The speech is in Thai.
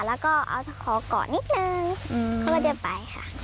แล้วก็ขอก่อนนิดหนึ่งเขาก็จะไปค่ะ